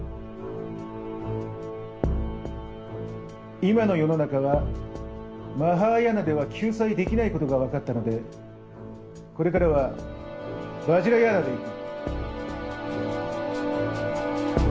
今の世の中はマハーヤーナでは救済できないことが分かったのでこれからはヴァジラヤーナで行く。